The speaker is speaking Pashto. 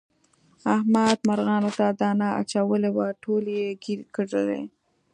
احمد مرغانو ته دانه اچولې وه ټولې یې ګیر کړلې.